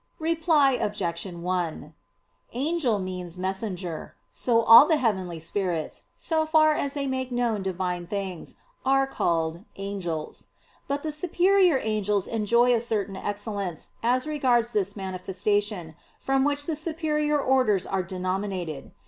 Reply Obj. 1: Angel means "messenger." So all the heavenly spirits, so far as they make known Divine things, are called "angels." But the superior angels enjoy a certain excellence, as regards this manifestation, from which the superior orders are denominated.